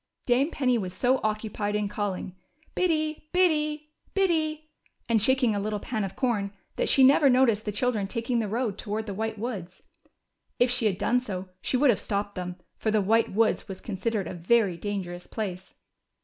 Dame Penny was so occupied in calling Biddy, Biddy, Biddy," and shaking a little pan of corn, that she never noticed the children taking the road toward the White Woods. If she had done so she would have stopped them, for the White Woods was con sidered a very dangerous place.